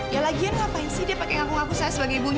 ya lagian ngapain sih dia pakai ngaku ngaku saya sebagai bunyi